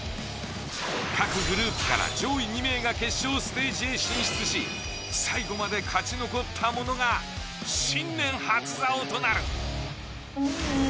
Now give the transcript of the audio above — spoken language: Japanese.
各グループから上位２名が決勝ステージへ進出し最後まで勝ち残った者が新年初座王となる。